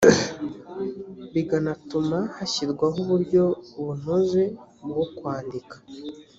biganatuma hashyirwaho uburyo bunoze bwo kwandika